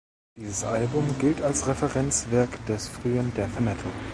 Dieses Album gilt als Referenzwerk des frühen Death Metal.